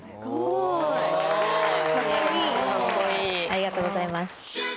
ありがとうございます。